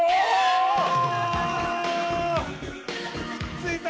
ついた！